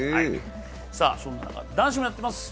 そんな中、男子もやってます。